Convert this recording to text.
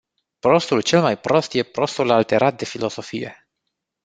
Prostul cel mai prost e prostul alterat de filosofie.